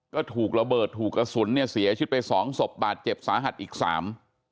ก็ถูกระเบิดถูกกระสุนเนี่ยเสียชีวิตไปสองศพบาดเจ็บสาหัสอีกสาม